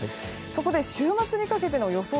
そこで週末にかけての予想